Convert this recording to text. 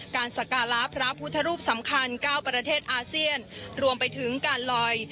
สการะพระพุทธรูปสำคัญ๙ประเทศอาเซียนรวมไปถึงการลอย